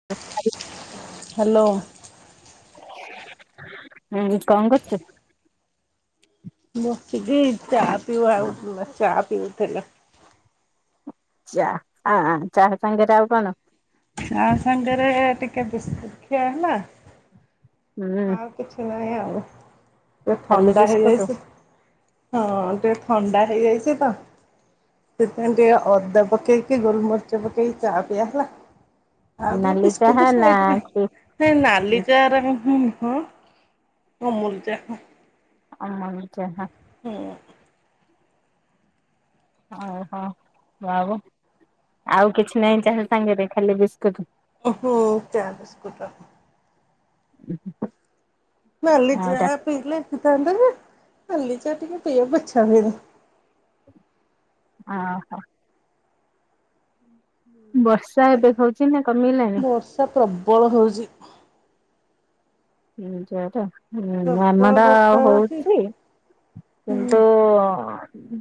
[unintelligible] Hello. ହଁ କଣ କରୁଚୁ? ବିସିଚି ଚା ପିଉ ଆଉ ଥୁଲା ଚା ପିଉଥୁଲା। ଚା ଆଁ ଚାହା ସାଙ୍ଗରେ ଆଉ କଣ? ଆଉ ସାଙ୍ଗରେ ଟିକେ ବିସକୁଟ୍ ଖିଆ ହେଲା ହୁଁ ଆଉ କିଛି ନାହିଁ ଆଉ ଟିକେ ଖାଲି ଥଣ୍ଡା ବିସ୍କୁଟ ହେଇଯାଇଛି ହଁ ଟିକେ ଥଣ୍ଡା ହେଇଯାଇଛି ତ ସେଥିପାଇଁ ଟିକେ ଅଦା ପକେଇକି ଗୋଲମରିଚ ପକେଇକି ଚା ପିଆ ହେଲା। ଆଉ ଟିକେ ନାଲି ଚାହା ବିସ୍କୁଟୁ ନା ସାଇଟରେ। କି ନାଇଁ ନାଲି ଚାରା ମୁଁ ହୁଁ ନୁହଁ ଅମୁଲ ଚା ଅମୁଲ ଚାହା। ହୁଁ ଓହୋ ଆଉ ଆଉ କିଛି ନାଇଁ ଚାହେ ସାଙ୍ଗରେ ଖାଲି ବିସ୍କୁଟ ହୁଁ ଚା ବି ଆଉ ଉ [unintelligible] ନାଲି ଚା ପିଇଥିଲେ ହେଇ ଥାଆନ୍ତା ଯେ ନାଲି ଚା ଟିକେ ପିଇବାକୁ ଇଚ୍ଛା ହେରା ଓହୋ ବର୍ଷା ଏବେ ହଉଛି ନା କମିଲାଣି ତା ପ୍ରବଳ ହେଉଛି। ହୁ ଯଟା ହୁଁ ପ୍ରବଳ ଧାନାଟା ବର୍ଷା ହଉଛି ହୁଁ କିନ୍ତୁ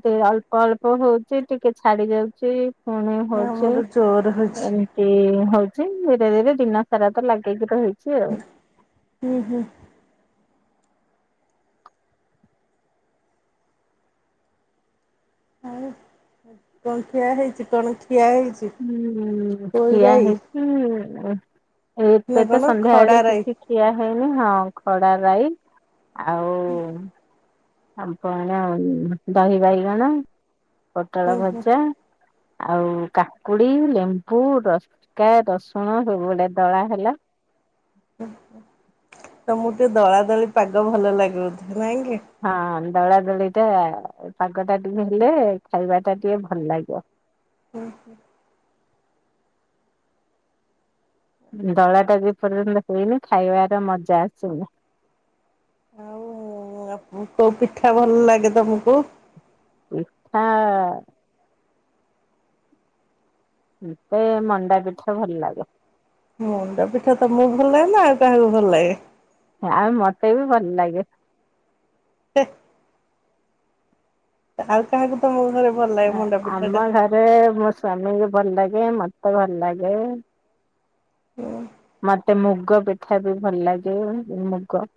ଦେ ଅଳ୍ପ ଅଳ୍ପ ହଉଛି ଟିକେ ଛାଡି ଯାଉଛି ପୁଣି ହଉଛି ଆମର ଜୋର ହଉଛି ଏ ଏ ହଉଛି ଧୀରେ ଧୀରେ ଦିନ ସାରା ତ ଲାଗେଇକି ରହିଛି ଆଉ ହୁଁ ହୁଁ ହଁ କଣ ଖିଆ ହେଇଛି କଣ ଠିଆ ହେଇଛି ହୁଁ ଖିଆ ପୋଇରାଇ ହେଇଛି ନା ଏତ ତ କଣ ଖଡା ସନ୍ଧ୍ୟାବେଳେ ରାଇ କିଛି ଠିଆ ହେଇନି ହଁ ଖଡା ରାଇ ଆଉ ହୁଁ ଆପଣ ଉ ଦହି ବାଇଗଣ ପୋଟଳ ହୁଁ ହୁଁ ଭଜା ଆଉ କା କୁଡି ଲେମ୍ବୁ ରସକା ରସୁଣ ସବୁଗୋଟେ ଦଳା ହେଲା ତ ମ ଟିକେ ଦଳାଦଳି ପାଗ ଭଲ ଲାଗୁଥା ନାଇଁ କି ହଁ ଦଳା ଦଳି ଟା ପାଗ ଟା ଟିକେ ହେଲେ ଖାଇବା ଟା ଟିକେ ଭଲ ଲାଗିବ। ହୁଁ ହୁଁ ଦଳା ଟା ଯେ ପର୍ଯ୍ୟନ୍ତ ହେଇନି ଖାଇବାର ମଜା ଆସୁନି ଉ କୋଉ ପିଠା ଭଲ ଲାଗେ ତମକୁ? ଏଛା ମତେ ମଣ୍ଡା ପିଠା ଭଲ ଲାଗେ ମଣ୍ଡା ପିଠା ତମକୁ ଭଲ ଲାଗେ ନା ଆଉ କାହାକୁ ଭଲ ଲାଗେ ଆଉ ମତେ ବି ଭଲ ଲାଗେ। ହେ ଆଉ କାହାକୁ ତମ ଘରେ ଭଲ ଲାଗେ ଆ ମଣ୍ଡା ପିଠା ଟା ଆମ ଘରେ ମୋ ସ୍ଵାମୀଙ୍କୁ ଭଲ ଲାଗେ ମତେ ଭଲ ଲାଗେ ମତେ ମୁଗ ପିଠା ବି ଭଲ ଲାଗେ ଏ ମୁଗ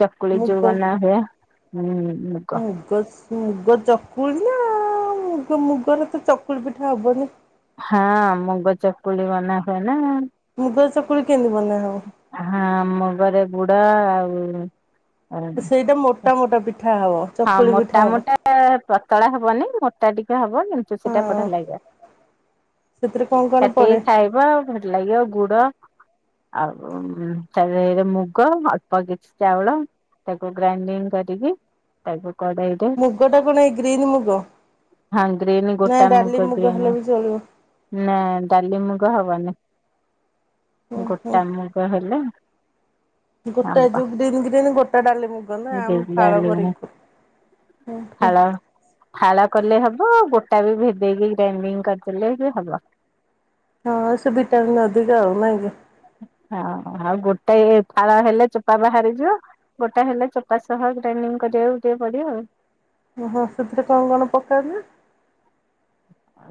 ଚକୁଳି ଯୋଉ ମୁଗ ବନା ହୁଏ ହଁ ମୁଗ ସ ମୁଗ ଚକୁଳି ନା ମୁଗ ମୁଗରେ ତ ଚକୁଳି ପିଠା ହବନି ହଁ ମୁଗ ଚକୁଳି ବନା ହୁଏ ନା ମୁଗ ଚକୁଳି କେମିତି ବନା ହବା ହଁ ମୁଗରେ ବୁଡ ଆଉ ସେଇଟା ମୋଟା ମୋଟା ପିଠା ହବ ହଁ ଚକୁଳି ପିଠା ମୋଟା ହବ। ମୋଟା ପତଳା ହବନି ମୋଟା ଟିକେ ହବ କେମ ସେଟା ହଁ ବଢିଆ ଲାଗିବ ସେଥିରେ କଣ କଣ କାଟିକି ପଡେ ଖାଇବ ଭଲ ଲାଗିବ ଗୁଡ ଆଉ ଚାରରେ ମୁଗ ଅଳ୍ପ କିଛି ଚାଉଳ ତାକୁ ଗ୍ରାଇଣ୍ଡିଙ୍ଗ କରିକି ତ କଡେଇ ମୁଗ ଟା କଣ ଏଇ ଗ୍ରୀନ୍ ମୁଗ ହଁ ଗ୍ରୀନ୍ ନା ଗୋଟା ଡାଲି ମୁଗ ଗ୍ରୀନ୍ ହେଲେ ବି ଚଳିବ ନା ଡାଲି ମୁଗ ହବନି ହୁଁ ହୁଁ। ଗୋଟା ମୁଗ ହେଲେ ଗୋଟା ଏ ହବ ଯୋଉ ଗ୍ରୀନ୍ ଗ୍ରୀନ୍ ଗୋଟା ଡାଲି ମୁଗ ନା ଆମେ ଫାଳ କରି ଖା ହୁ ହୋ ଫାଳ ଫାଳ କଲେ ହବ ଆଉ ଗୋଟା ବି ଭେଦେଇକି ଗ୍ରାଇଣ୍ଡିଙ୍ଗ କରିଦେଲେ ବି ହବ ହଁ ସେ ଭିଟାମିନ ଅଧିକ ଆଉ ନାଇଁକି? ହଁ ଆଉ ଗୋଟେ ଫାଳ ହେଲେ ଚୋପା ବାହାରିଯିବ। ଗୋଟା ହେଲେ ଚୋପା ସହ ଗ୍ରାଇଣ୍ଡିଙ୍ଗ କରିବାକୁ ଟିକେ ପଡିବ ଆଉ। ଓ ହଁ ସେଥିରେ କଣ କଣ ପକାଯାଏ?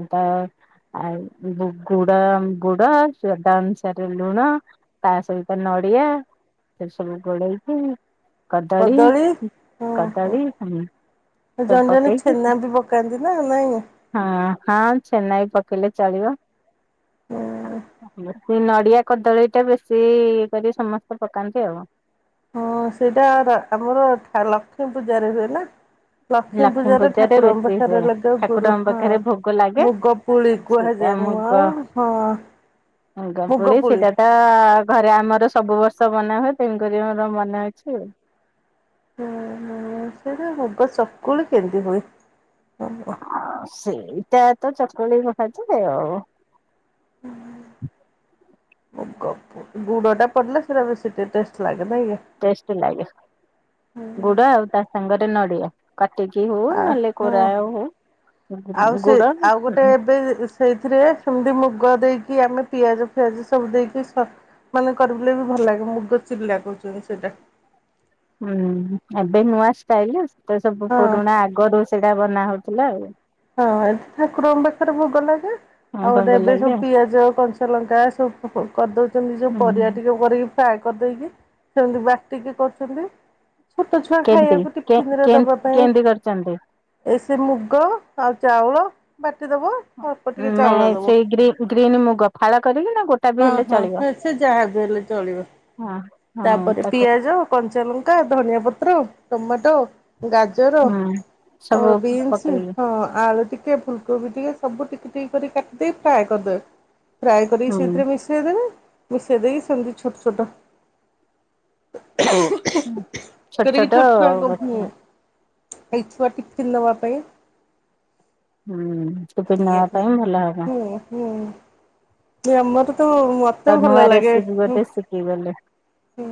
ଅଦା ଆଉ ଗୁ ଗୁଡ ଗୁଡ ଶ୍ୱାଦ ଅନୁସାରେ ଲୁଣ ତା ସହିତ ନଡିଆ ସେ ସବୁ ଗୋଳେଇକି କଦଳୀ ଓହୋ କଦଳୀ ସବୁ ଜଣେ ଜଣେ ପକେଇକି ଛେନା ବି ପକ କାନ୍ତି ନା ନାଇଁ? ହଁ ହଁ ଛେନା ବି ପକେଇଲେ ଚଳିବ। ସେ ନଡ଼ିଆ କଦଳୀ ଟା ବେଶୀ ଇ କରିକି ସମସ୍ତେ ପକାନ୍ତି ଆଉ। ହଁ ସେଇଟା ର ଆମର ଲକ୍ଷ୍ମୀ ପୂଜାରେ ହୁଏନା? ଲକ୍ଷ୍ମୀ ପୂଜାରେ ଠାକୁରଙ୍କ ବେଶୀ ହୁଏ। ପାଖରେ ଲାଗେ ଠାକୁରଙ୍କ ଗୁରୁହ ପାଖରେ ଭୋଗ ଲାଗେ ମୁଗ କୁଳି ସେଇଟା କୁହାଯାଏ ମୁଁ ଆଉ ହଁ ହଁ ମୁଗ ଦମ୍ପୁଳି ପୁଳି। ସେଟା ତ ଘରେ ଆମର ସବୁ ବର୍ଷ ମନା ହୁଏ ତେଣୁକରି ମୋର ମନେ ଅଛି ଆଉ। ହ ସେଟା ଭୋଗ ଚକୁଳି କେନ୍ତି ହୁଏ? ଆଉ ସେଇଟା ତ ଚକୁଳି କୁହାଯାଏ ଆଉ। ମୁଗ ପୁ ଗୁଡ଼ ଟା ପଡ଼ିଲେ ସେଇଟା ବେଶୀ ଟିକେ ଟେଷ୍ଟ ଲାଗେ ନାହିଁକି? ଟେଷ୍ଟ ଲାଗେ ଗୁଡ ଆଉ ତା ସାଙ୍ଗରେ ନଡିଆ। କାଟିକି ହୋଉ ଆ ନହେଲେ ହଁ। କୋରା ହୋଉ ଗୁ ଗୁଡ଼ [unintelligible] ଦେ ସେଇଥିରେ ସେମିତି ମୁଗ ଦେଇକି ଆମେ ପିଆଜ ଫିଆଜ ସବୁ ଦେଇକି ସ ମାନେ କରିଲେ ବି ଭଲ ଲାଗେ ମୁଗ ଚିଲା କହୁଛନ୍ତି ସେଇଟା। ହୁଁ ଏବେ ନୂଆ ଷ୍ଟାଇଲରେ ସେ ସବୁ ହଁ ପୁରୁଣା ଆଗରୁ ସେଇଟା ବନା ହୋଉଥିଲା ଆଉ। ହଁ ଏଠି ଠାକୁରଙ୍କ ପାଖରେ ଭୋଗ ଲାଗେ। ହଁ ଆଉ ଭଙ୍ଗ ଗୋଟେ ଲାଗେ ସବୁ ଆଉ। ପିଆଜ କଞ୍ଚଲଙ୍କା ସବୁ କ କରିଦଉଛନ୍ତି ଯୋଉ ହୁଁ ପରିବା ଟିକେ କରିକି ଫ୍ରାଏ କରିଦେଇକି ସେମିତି ବାଟିକି କରୁଛନ୍ତି। ଛୋଟ ଛୁଆ କେମତି ଖାଇବାକୁ କେ ଟିଫିନରେ କେ ଦବା ପାଇଁ କେମିତି କରିଛନ୍ତି? ଏ ସେଇ ମୁଗ ଆଉ ଚାଉଳ ବାଟିଦବ ହଁ ମେ ସେଇ ଗ୍ରି ଗ୍ରୀନ୍ ମୁଗ ଫାଳ କରିକି ନା ଗୋଟ ହଁ ହଁ ସେ ସେ ଯାହାବି ହେଲେ ଚଳିବ ହଁ। ହଁ ତାପରେ ତାକୁ ପିଆଜ କଞ୍ଚାଲଙ୍କା ଧନିଆ ପତ୍ର ଟମାଟୋ ଗାଜ ଜର ହୁଁ ଆଉ ସବୁ ବିନ୍ସ ପକେଇକି ହଁ ଆଳୁ ଟିକେ ଫୁଲ କୋବି ଟିକେ ସବୁ ଟିକ ଟିକ କରିକି କାଟି ଦେଇକି ଫ୍ରାଏ କରିଦେବେ ଫ୍ରାଏ କରିକି ସେ ହୁଁ। ମିଶେଇଦେବେ ମିଶେଇଦେଇକି ସେମତି ଛୋଟ ଛୋଟ କରିକି ଛୋଟ ଛୁଆଙ୍କୁ ହୁଁ ଏ ଛୁଆ ଟିଫିନ ନବା ପାଇଁ ଟିଫିନ ଏଇ ନବା ପାଇଁ ଭଲ ହବ। ହୁଁ ହୁଁ। ଯେ ଆମର ତ ମତେ ଭଲ ଲାଗେ। କି ଗଲେ ହୁଁ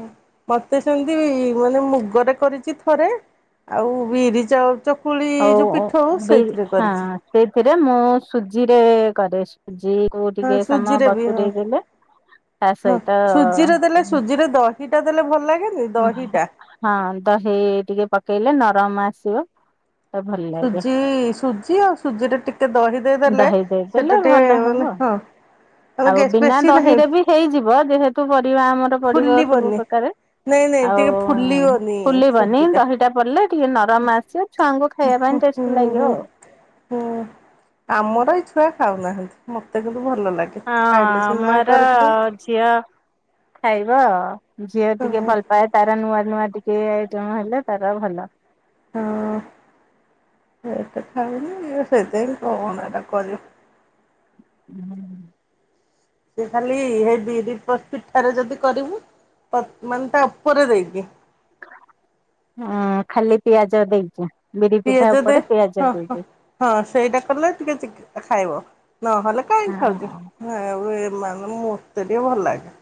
ମତେ ସେମତି ମାନେ ମୁଗରେ କରିଛି ଥରେ ଆଉ ବିରି ଚାଉ ଚକୁଳି ହଉ ଯୋଉ ପିଠଉ ବି ସେଇଥିରେ ହଁ କରିଛି। ସେଇଥିରେ ମୁଁ ସୁଜିରେ କରେ ସୁଜିକୁ ହଁ ଟିକେ ସମୟ ସୁଜିରେ ବି ହଁ ବତୁରେଇ ଦେଲେ ତା ହଁ ସହିତ ସୁଜିରେ ଦେଲେ ସୁଜିରେ ଦହି ଟା ଦେଲେ ଭଲ ଲାଗେନ ବ ହଁ ଦହି ଟିକେ ପକେଇଲେ ନରମ ଆସିବ ତ ଭଲ ଲାଗେ ସୁଜି ସୁଜି ଆଉ ସୁଜିରେ ଟିକେ ଦହି ଦେଇଦେଲେ ଦହି ଦେଇଦେଲେ ସେଟା ଟିକେ ଭଲ ମାନେ ହବ ହଁ ମାନେ ଆଉ ଗେସ୍ ବିନା ବେଶୀ ନାହିଁ ଦହିରେ ବି ହେଇଯିବ ଯେହେତୁ ପରିବା ଆମର ପଡିବ ସବୁ ଫୁଲିବନି। ପ୍ରକାରେ ନାଇଁ ନାଇଁ ଟିକେ ଆଉ ଫୁଲିବନି ଖୁଲିବନି ସୁଜିଟା। ଦହିଟା ପଡ଼ିଲେ ଟିକେ ନରମ ଆସେ ଛୁଆଙ୍କୁ ଖାଇବା ହୁଁ ପାଇଁ ଟେଷ୍ଟି ହୁଁ ହୁଁ ଲାଗିବ ଆଉ। ହୁଁ ଆମର ଏଇ ଛୁଆ ଖାଉନାହାନ୍ତି ମତେ କିନ୍ତୁ ଭଲ ଲାଗେ। ହଁ ଅଁ ଖାଇଲେ ସିନା ଆମର କରିକି ଦବୁ। ଅ ଝିଅ ଖାଇବ ଆଉ ଝିଅ ଟିକେ ହଁ ଭଲ ପାଏ ତାର ନୂଆ ନୂଆ ଟି କେ ଆଇଟମ ହେଲେ ତାର ଭଲ। ହଁ ସେତ ଖାଉନି ସେଇଥିପାଇିଁ କଣ ଏରା କରିବ। ହୁଁ। ସେ ଖାଲି ହେ ବିରି ପ୍ର ପିଠାରେ ଯଦି କରିବୁ ମାନେ ତା ଉପରେ ଦେଇକି ହ ଖାଲି ପିଆଜ ଦେଇଚେ। ପିଆଜ ଦେ ହଁ ହଁ। ହଁ ସେଇଟା କଲେ ଟିକେ ଚିକ ଖାଇବ ନହେଲେ କାଇଁ ଖାଉଚି ହଁ ନାଇଁ ଆ ଏମାନେ ମତେ ଟିକେ ଭଲ ଲାଗେ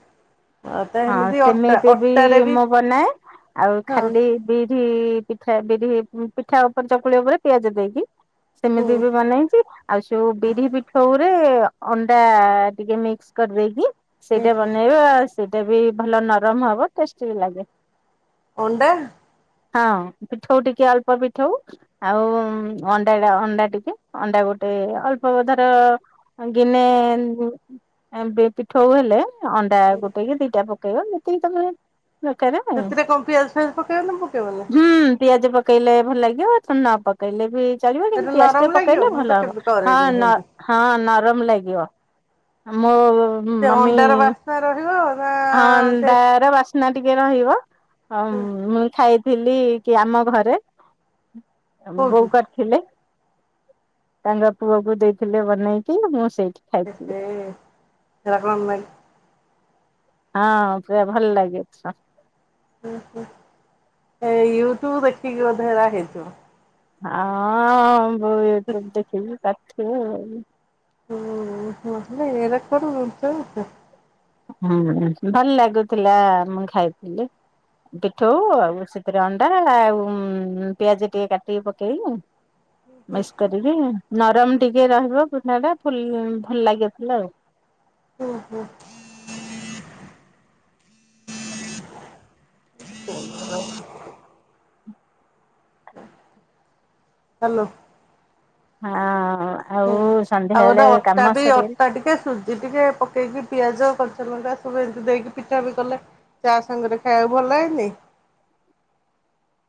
ଆଉ ତ ହଁ ଏମିତି ଅଟା ସେମିତି ବି ଅଟାରେ ମୁଁ ବନାଏ ଆଉ ହଁ ଖାଲି ବିରି ପିଠା ବିରି ପିଠା ଉପରେ ଚକୁଳି ଉପରେ ପିଆଜ ଦେଇକି ହୁଁ ସେମିତି ବି ବନେଇଚି ଆଉ ସେଉ ବିରି ପିଠଉରେ ଅଣ୍ଡା ଟିକେ ମିକ୍ସ କରିଦେଇକି ହୁଁ ସେଟା ହୁଁ ବନେଇବା ସେଇଟା ବି ଭଲ ନରମ ହବ ଟେଷ୍ଟି ବି ଲାଗେ ଅଣ୍ଡା ହଁ ପିଠଉ ଟିକେ ଅଳ୍ପ ପିଠଉ ଆଉଅଣ୍ଡା ଡା ଅଣ୍ଡା ଟିକେ ଅଣ୍ଡା ଗୋଟେ ଅଳ୍ପ ଧର ଗିନେ ବେ ପି ପୀଠଉ ହେଲେ ଅଣ୍ଡା ଗୋଟେକି ଦିଟା ପକେଇବ ଯେତିକି ତମେ ଦରକାର ସେଥିରେ କଣ ପିଆଜ ଫିଆଜ ପକେଇବ ନା ପକେଇବନି? ହୁଁ ପିଆଜ ପ ପକେଇଲେ ଭଲ ଲାଗିବ ନ ପକେଇଲେ ବି ଚଳିବ କିନ୍ତୁ ସେଟା ପିଆଜ ନରମ ଟିକେ ଲାଗିବ ପକେଇଲେ ମୁଁ ଭଲ ତ ହବ କେବେ ହଁ କରେନି ହେମିତି। ହଁ ନରମ ଲାଗିବ ମୋ ଓ ସେ ଅଣ୍ଡାର ବାସ୍ନା ରହିବ ଅ ହଁ ଅଣ୍ଡା ର ବାସ୍ନା ଟିକେ ରହିବ ହଁ ମୁ ଖାଇ ଥିଲି କି ଆମ ଘରେ ବୋଉ କୋଉଠି? କର ଥିଲେ ତାଙ୍କ ପୁଅକୁ ଦେଇଥିଲେ ବନେଇକି ମୁଁ ସେଇଠି ଖାଇଥିଲି। ଏହେ ସେରା କଣ ନାଗ ହଁ ପୁରା ଭଲ ଲାଗେ ହୁଁ ହୁଁ ଏ ୟୁଟ୍ୟୁବ ଦେଖିକି ବଧେ ହେରା ହେଇଥିବ। ହଁ ଅଁ ବୋଉ ୟୁଟୁବ ଦେଖିକି କରଥିବ ଆଉ ହୁଁ ନହେଲେ ଏରା କୁଆଡୁ [inaudible] ହୁଁ ଭଲ ଲାଗୁଥିଲା ମୁଁଖାଇଥିଲି। ପିଠଉ ଆଉ ସେଥିରେ ଅଣ୍ଡା ଆଉ ଉଁ ପିଆଜ ଟିକେ କାଟିକି ପକେଇଲି ମିକ୍ସ କରିକି ନରମ ଟିକେ ରହିବ ପିଠାଟା ଫୁଲ ଭଲ ଲାଗିଥିଲା ଆଉ ହାଲୋ ହଁ ହୁଁ। ଆଉ ଆଉ ସନ୍ଧ୍ୟାବେଳେ ଗୋଟେ ଅଟା କାମ ବି ସରିଗଲେ ଅଟା ଟିକେ ସୁ ସୁଜି ଟିକେ ପକେଇକି ପିଆଜ କଞ୍ଚା ଲଙ୍କା ସବୁ ଏମିତି ଦେଇକି ପିଠା ବି କଲେ ଚା ସାଙ୍ଗରେ ଖାଇବାକୁ ଭଲ ଲାଗେନି?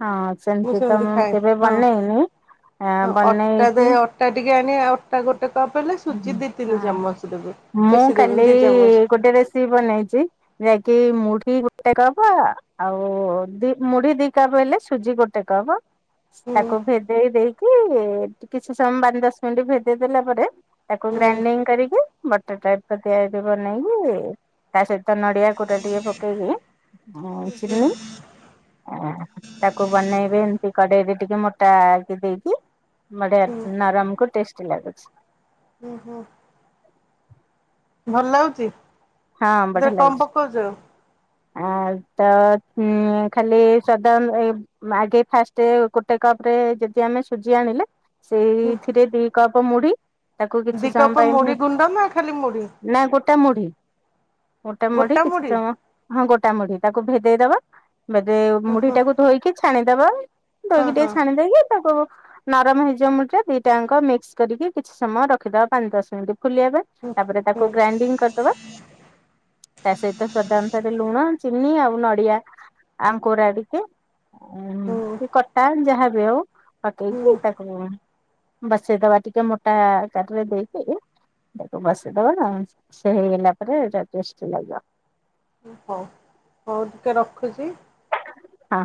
ହଁ ସେମତି ତ ସେମିତି ମୁଁ ଖାଏ କେବେ ହଁ। ବନେଇନି ଏଁ ହଁ ଅଟା ଦେ ବନେଇଚି ଅଟା ଟିକେ ଆଣି ଅଟା ଗୋଟେ କପ୍ ହେଲେ ସୁଜି ଦିଇ ତିନି ହଁ ଚାମଚ ଦେବେ ମୁଁ ବେଶୀ କାଲି ଦେବେନି ଦି ଚାମଚ ଗୋଟେ ରେସିପି ବନେଇଛି ଯାହାକି ମୁଢ଼ୀ ଗୁଟେ କପ ଆଉ ଦି ମୁଢି ଦି କପ୍ ହେଲେ ସୁଜି ଗୋଟେ କପ୍ ହୁଁ ତାକୁ ଭେଦେଇ ଦେଇକି କିଛି ସମୟ ପାଞ୍ଚ ଦଶ ମିନିଟ ଭେଦେଇ ଦେଲା ପରେ ତାକୁ ହୁଁ ଗ୍ରାଇଣ୍ଡିଙ୍ଗ କରିକି ବଟର ଟାଇପ ତିଆରି ବନେଇକି ତା ସହିତ ନଡିଆ କୁରା ଟିକେ ପକେଇକି ହୁଁ ଚିନି ଆଁ ତାକୁ ବନେଇବେ ଏମତି କଡେଇରେ ଟିକେ ମୋଟାକି ଦେଇକି ବଢିଆ ହୁଁ ନରମକୁୁ ଟେଷ୍ଟ ଲାଗୁଛି। ହୁଁ ହୁଁ [inaudible] ଭଲ ଲାଗୁଚି ହଁ ସେଥିରେ ବଢିଆ କମ୍ ଲାଗୁଚି। ପକଉଚ? ଆ ତ ହୁଁ ଖାଲି। [unintelligible] ଆଗେ ଫାଷ୍ଟ ଗୋଟେ କପ ରେ ଯେତେ ଆମେ ସୁଜି ଆଣିଲେ ହୁଁ ସେଇଥିରେ ଦି କପ ମୁଢି ତାକୁ ଦି କିଛି କପ ସମୟ ପାଇଁ ମୁଢି ଭି ଗୁଣ୍ଡ ନା ଖାଲି ମୁଢି ନା ଗୋଟା ମୁଢି ଗୋଟା ମୁଢି କିଛି ସମୟ ହଁ ଗୋଟା ମୁଢି ତାକୁ ଭେଦେଇ ଦବା। ଭେଦେ ହଁ ମୁଢି ହଁ ଟାକୁ ଧୋଇକି ଛାଣିଦବା। ହଁ ଧୋଇକି ଟିକେ ହଁ ଛାଣି ଦେଇକି ତାକୁ ନରମ ହେଇଯିବ ମୁଢିଟା ଦିଟାଙ୍କ ମିକ୍ସ କରିକି କିଛି ସମୟ ରଖିଦବା ପାଞ୍ଚ ଦଶ ମିନିଟ୍। ଫୁଲିବା ପାଇଁ ହୁଁ ତାପରେ ତାକୁ ଗ୍ରାଇଣ୍ଡିଙ୍ଗ କରିଦବା। ତା ସହିତ ସ୍ୱାଦ ଅନୁସାରେ ଲୁଣ, ଚିନି ଆଉ ନଡିଆ ଆଉ କୋରା ଟିକେ। ହୁଁ କି କଟା ଯାହା ବି ହଉ ହୁଁ ପକେଇକି ହୁଁ ତାକୁ ଲୁଣ ବସେଇଦବା ଟିକେ ମୋଟା ଆକାରରେ ଦେଇକି। ତାକୁ ବସେଇଦବା ନା ସେ ହେଇଗଲା ପରେ ଏଟା ଟେଷ୍ଟ ଲାଗିବ। ହଉ। ହଉ ଟିକେ ରଖୁଚି। ହଁ।